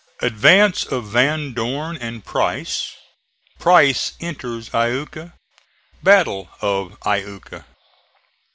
ADVANCE OF VAN DORN AND PRICE PRICE ENTERS IUKA BATTLE OF IUKA.